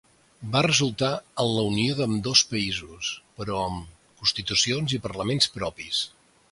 Va resultar en la unió d'ambdós països, però amb constitucions i parlaments propis.